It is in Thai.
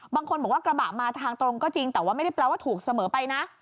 บางคนบอกว่ากระบะมาทางตรงก็จริงแต่ว่าไม่ได้แปลว่าถูกเสมอไปนะ